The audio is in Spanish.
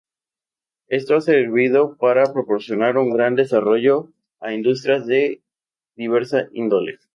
Esto ha servido para proporcionar un gran desarrollo a industrias de diversa índole.